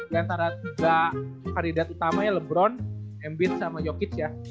diantara tiga kandidat utamanya lebron embiid sama jokic ya